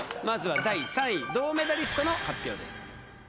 まずは第３位銅メダリストの発表です